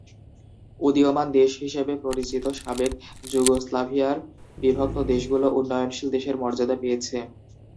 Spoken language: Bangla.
উদীয়মান দেশ হিসেবে পরিচিত সাবেক যুগোস্লাভিয়ার বিভক্ত দেশগুলো উন্নয়নশীল দেশের মর্যাদা পেয়েছে।